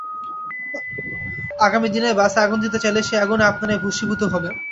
আগামী দিনে বাসে আগুন দিতে চাইলে সেই আগুনে আপনারাই ভস্মীভূত হবেন।